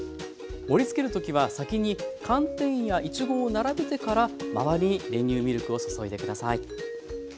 盛りつける時は先に寒天やいちごを並べてから周りに練乳ミルクを注いで下さい。